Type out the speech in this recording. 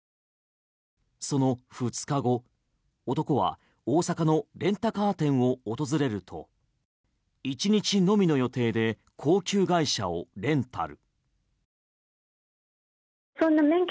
その２日後、男は大阪のレンタカー店を訪れると１日のみの予定で高級外車をレンタル。